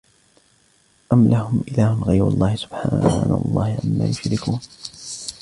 أَمْ لَهُمْ إِلَهٌ غَيْرُ اللَّهِ سُبْحَانَ اللَّهِ عَمَّا يُشْرِكُونَ